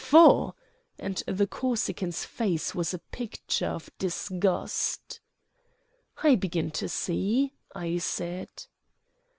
Faugh!" and the Corsican's face was a picture of disgust. "I begin to see," I said.